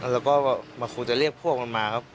แล้วก็มันคงจะเรียกพวกมันมา